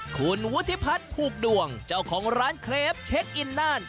คุณวุฒิพัฒน์ผูกดวงเจ้าของร้านเคลปเช็คอินน่าน